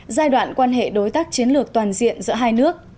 giai đoạn quan hệ đối tác chiến lược toàn diện giữa hai nước